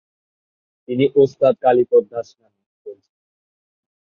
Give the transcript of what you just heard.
তিনি ওস্তাদ কালীপদ দাস নামেই পরিচিত।